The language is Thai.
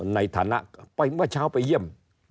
ในฐานะไปเมื่อเช้าไปเยี่ยม